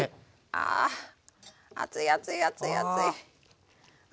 あ熱い熱い熱い熱い。